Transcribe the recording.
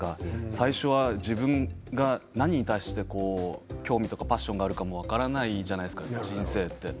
最初は自分が何に対して興味やパッションがあるか分からないじゃないですか。